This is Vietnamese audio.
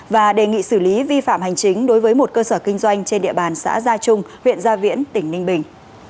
và đề nghị xử lý vi phạm hành chính đối với một cơ sở kinh doanh trên địa bàn xã gia trung huyện gia viễn tỉnh ninh bình